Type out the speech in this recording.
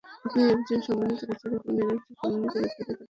আপনি একজন সম্মানিত বিচারক, আমি আরেকজন সম্মানিত ব্যক্তিকে কাঠগড়ায় ডাকতে চাই।